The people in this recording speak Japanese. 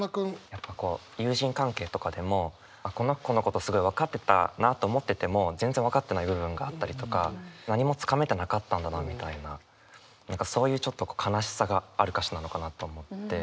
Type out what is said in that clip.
やっぱこう友人関係とかでもこの子のことすごい分かってたなと思ってても全然分かってない部分があったりとか何も掴めてなかったんだなみたいなそういうちょっと悲しさがある歌詞なのかなと思って。